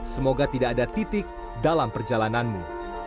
semoga tidak ada titik dalam perjalananmu